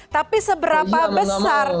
tapi seberapa besar